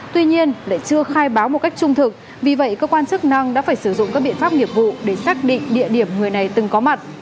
tuy nhiên lại chưa khai báo một cách trung thực vì vậy cơ quan chức năng đã phải sử dụng các biện pháp nghiệp vụ để xác định địa điểm người này từng có mặt